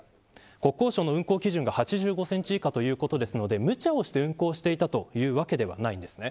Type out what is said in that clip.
国交省の運航基準が８５センチ以下ということなのでむちゃをして運航していたわけではありません。